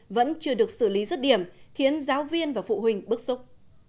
vẫn chưa được xử lý rất điểm khiến giáo viên và phụ huynh bức xúc